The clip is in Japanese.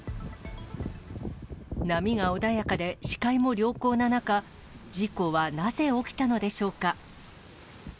波が穏やかで視界も良好な中、事故はなぜ起きたのでしょうか。